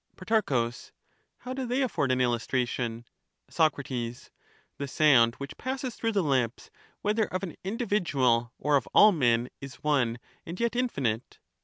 Pro, How do they afford an illustration ? Soc, The sound which passes through the lips whether of an individual or of all men is one and yet infinite.